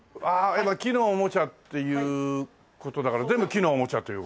やっぱり木のおもちゃっていう事だから全部木のおもちゃという事？